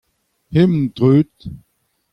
hemañ dreut.